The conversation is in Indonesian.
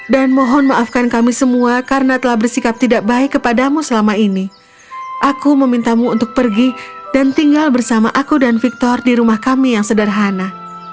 dan mohon maafkan kami semua karena telah bersikap tidak baik kepadamu selama ini aku meminta mu untuk pergi dan tinggal bersama aku dan victor di rumah kami yang sederhana